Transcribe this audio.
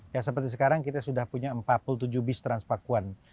ya seperti sekarang kita sudah punya empat puluh tujuh bis transpakuan